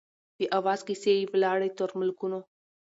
د آواز کیسې یې ولاړې تر ملکونو